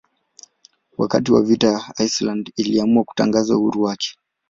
Wakati wa vita Iceland iliamua kutangaza uhuru wake.